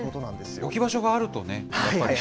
置き場所があるとね。